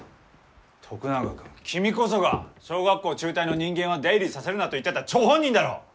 徳永君君こそが小学校中退の人間は出入りさせるなと言ってた張本人だろう！？